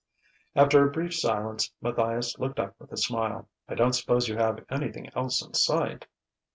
After a brief silence, Matthias looked up with a smile. "I don't suppose you have anything else in sight?"